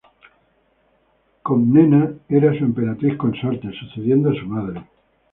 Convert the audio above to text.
Comnena era su emperatriz consorte, sucediendo a su madre.